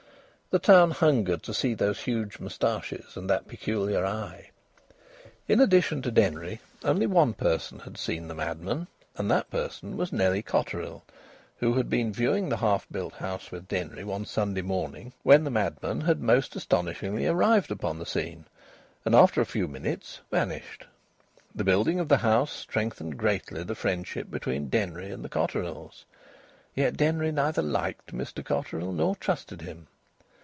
The town hungered to see those huge moustaches and that peculiar eye. In addition to Denry, only one person had seen the madman, and that person was Nellie Cotterill, who had been viewing the half built house with Denry one Sunday morning when the madman had most astonishingly arrived upon the scene, and after a few minutes vanished. The building of the house strengthened greatly the friendship between Denry and the Cotterills. Yet Denry neither liked Mr Cotterill nor trusted him.